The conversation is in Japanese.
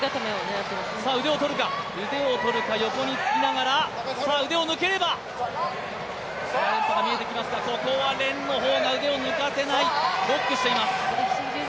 腕をとるか、横につきながら、腕を抜ければここは連の方が腕を抜かせない、ロックしています。